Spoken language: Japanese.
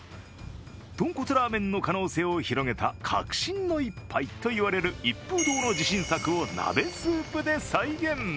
豚骨ラーメンの可能性を広げた革新の一杯といわれる一風堂の自信作を鍋スープで再現。